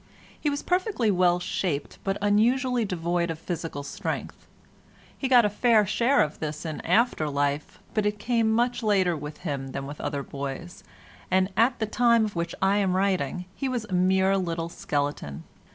He was perfectly well shaped but unusually devoid of physical strength. He got a fair share of this in after life, but it came much later with him than with other boys, and at the time of which I am writing he was a mere little skeleton.